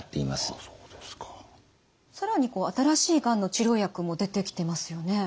更に新しいがんの治療薬も出てきてますよね。